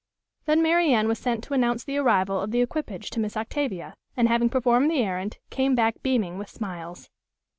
Then Mary Anne was sent to announce the arrival of the equipage to Miss Octavia, and, having performed the errand, came back beaming with smiles.